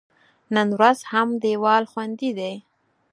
نن ورځ هم دیوال خوندي دی.